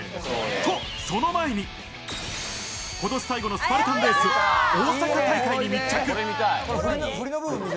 とその前に、今年最後のスパルタンレース、大阪大会に密着。